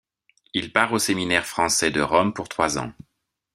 Il part au Séminaire français de Rome pour trois ans.